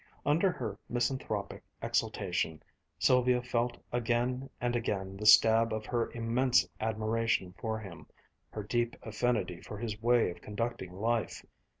Under her misanthropic exultation, Sylvia felt again and again the stab of her immense admiration for him, her deep affinity for his way of conducting life.